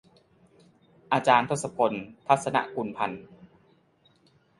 อาจารย์ทศพล ทรรศนกุลพันธ์